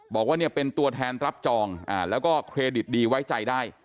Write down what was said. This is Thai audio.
บอกว่าเนี่ยเป็นตัวแทนรับจองแล้วก็เครดิตดีไว้ใจได้